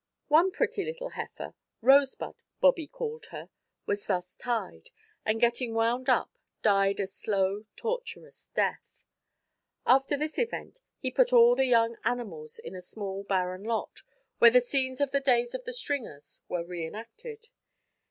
One pretty little heifer ("Rosebud," Bobby called her) was thus tied, and getting wound up, died a slow, torturous death. After this event he put all the young animals in a small, barren lot, where the scenes of the days of the Stringers were re enacted.